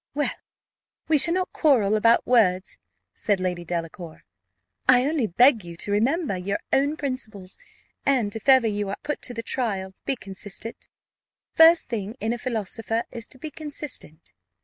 "Well, we shall not quarrel about words," said Lady Delacour; "I only beg you to remember your own principles; and if ever you are put to the trial, be consistent. The first thing in a philosopher is to be consistent."